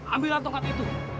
ambillah tongkat itu